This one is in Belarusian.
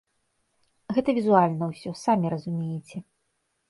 Гэта візуальна ўсё, самі разумееце.